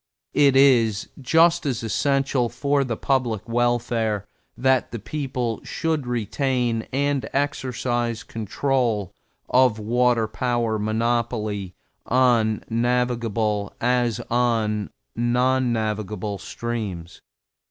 It is just as essential for the public welfare that the people should retain and exercise control of water power monopoly on navigable as on non navigable streams.